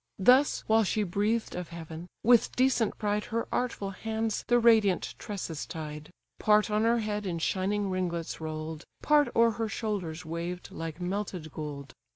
Thus while she breathed of heaven, with decent pride Her artful hands the radiant tresses tied; Part on her head in shining ringlets roll'd, Part o'er her shoulders waved like melted gold.